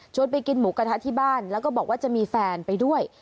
ไปกินหมูกระทะที่บ้านแล้วก็บอกว่าจะมีแฟนไปด้วย